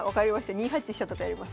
２八飛車とかやります。